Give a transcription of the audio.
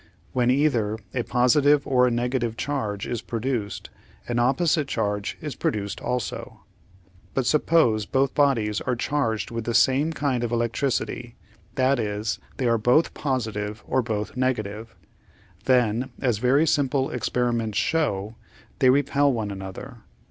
When either a positive or a negative charge is produced, an opposite charge is produced also. But suppose both bodies are charged with the same kind of electricity, that is, they are both positive or both negative. Then, as very simple experiments show, they repel one another.